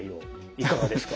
いかがですか？